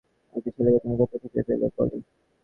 এই ছেলেকে তুমি কোথায় খুঁজে পেলে, পলি?